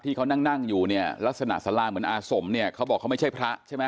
ที่เขานั่งอยู่ลักษณะสลางเหมือนอาสมเขาบอกเขาไม่ใช่พระใช่ไหม